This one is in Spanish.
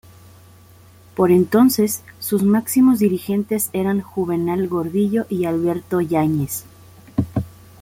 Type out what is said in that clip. Por entonces, sus máximos dirigentes eran Juvenal Gordillo y Alberto Yáñez.